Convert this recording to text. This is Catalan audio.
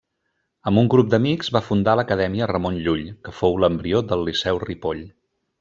Amb un grup d'amics va fundar l'acadèmia Ramon Llull, que fou l'embrió del Liceu Ripoll.